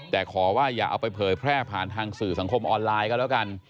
แต่ขอว่าอย่าเอาไปเผยแพร่ผ่านทางสื่อสังคมออนไลน์ก็แล้วกัน